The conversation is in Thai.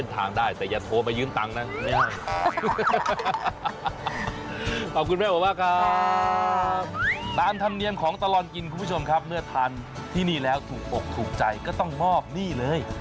ตามธรรมเนียมของตลอดกินคุณผู้ชมครับเมื่อทานที่นี่แล้วถูกอกถูกใจก็ต้องมอบนี่เลย